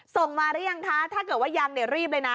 ส่งมาหรือยังคะถ้าเกิดว่ายังเนี่ยรีบเลยนะ